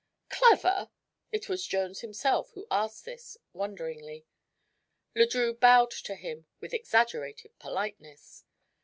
"Clever?" It was Jones himself who asked this, wonderingly. Le Drieux bowed to him with exaggerated politeness.